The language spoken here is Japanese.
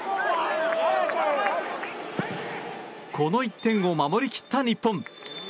この１点を守り切った日本。